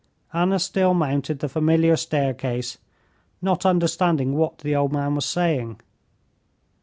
Anna still mounted the familiar staircase, not understanding what the old man was saying.